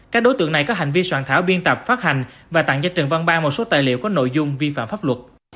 các đối tượng này có hành vi soạn thảo biên tập phát hành và tặng cho trần văn ban một số tài liệu có nội dung vi phạm pháp luật